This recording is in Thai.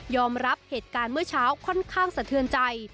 รับเหตุการณ์เมื่อเช้าค่อนข้างสะเทือนใจ